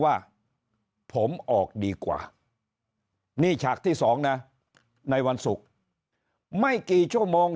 ว่าผมออกดีกว่านี่ฉากที่๒นะในวันศุกร์ไม่กี่ชั่วโมง